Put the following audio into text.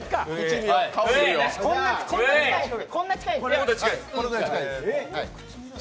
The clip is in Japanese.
こんな近いんですか？